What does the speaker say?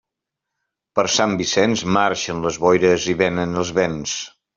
Per Sant Vicenç, marxen les boires i vénen els vents.